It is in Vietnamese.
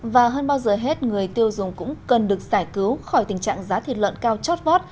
và hơn bao giờ hết người tiêu dùng cũng cần được giải cứu khỏi tình trạng giá thịt lợn cao chót vót